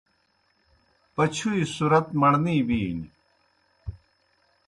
پَچُھوئی صُرَت مڑنے بِینیْ۔